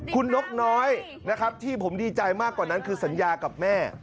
คุณนกน้อยนะครับที่ผมดีใจมากกว่านั้นคือสัญญากับแม่